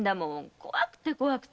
怖くて怖くて。